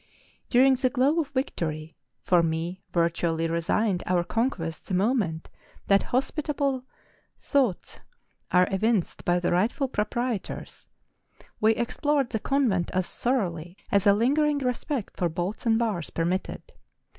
During the glow of victory, for we virtually resigned our conquest the moment that hospitable thoughts were evinced by the rightful proprietors, we explored the convent as thoroughly as a lingering respect for bolts and bars permitted.